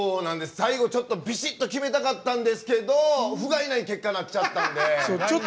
最後、ちょっとびしっと決めたかったんですけどふがいない結果になっちゃったんで。